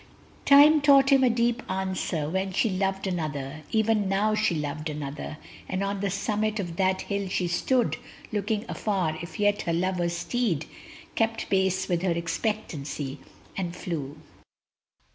Time taught him a deep answer when she loved Another; even now she loved another, And on the summit of that hill she stood Looking afar if yet her lover's steed Kept pace with her expectancy, and flew.